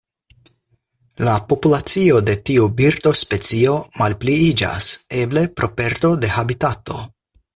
La populacio de tiu birdospecio malpliiĝas, eble pro perdo de habitato.